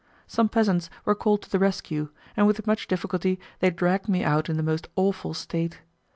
Some peasants were called to the rescue, and with much difficulty they dragged me out in the most awful state.